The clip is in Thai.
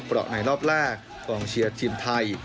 เพราะในรอบแรกกองเชียร์ทีมไทย